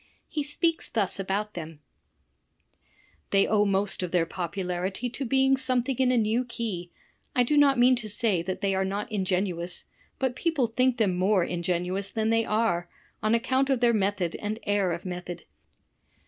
He speaks thus about them: "They owe most of their popularity to being something in a new key. I do not mean to say that they are not ingenious — but people think them more ingenious than they are — on accoimt of their method and air of method.